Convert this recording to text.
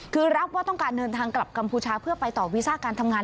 คือรับว่าต้องการเดินทางกลับกัมพูชาเพื่อไปต่อวีซ่าการทำงาน